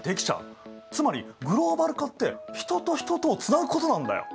つまりグローバル化って人と人とをつなぐことなんだよ。